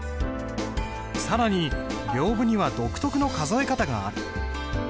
更に屏風には独特の数え方がある。